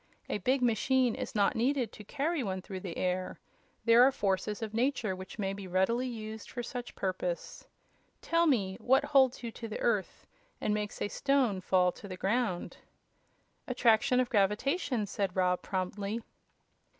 A big machine is not needed to carry one through the air. There are forces in nature which may be readily used for such purpose. Tell me, what holds you to the Earth, and makes a stone fall to the ground?" "Attraction of gravitation," said Rob, promptly.